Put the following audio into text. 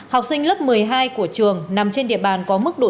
học sinh lớp một mươi hai của trường nằm trên địa bàn có mức độ